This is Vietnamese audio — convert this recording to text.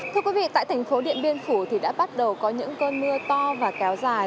thưa quý vị tại thành phố điện biên phủ thì đã bắt đầu có những cơn mưa to và kéo dài